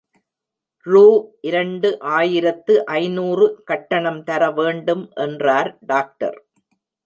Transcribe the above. ரு இரண்டு ஆயிரத்து ஐநூறு கட்டணம் தர வேண்டும் என்றார் டாக்டர்.